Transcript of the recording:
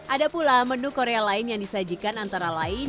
ada pula menu korea lain yang disajikan antara lain